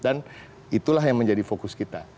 dan itulah yang menjadi fokus kita